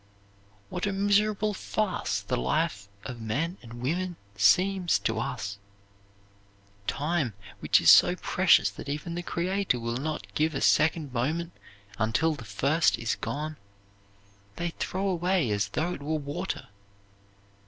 What a miserable farce the life of men and women seems to us! Time, which is so precious that even the Creator will not give a second moment until the first is gone, they throw away as though it were water.